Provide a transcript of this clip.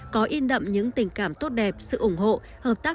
có in đậm những tình cảm tốt đẹp sự ủng hộ hợp tác